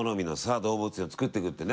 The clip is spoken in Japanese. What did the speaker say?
動物園を作っていくってね。